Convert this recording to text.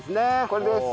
これです。